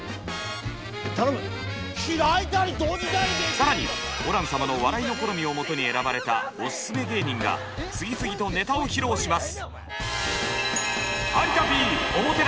更にホラン様の笑いの好みをもとに選ばれたオススメ芸人が次々とネタを披露します！